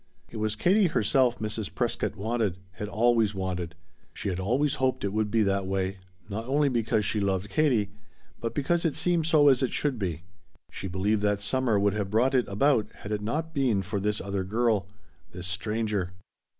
It was Katie herself Mrs. Prescott wanted had always wanted. She had always hoped it would be that way, not only because she loved Katie, but because it seemed so as it should be. She believed that summer would have brought it about had it not been for this other girl this stranger.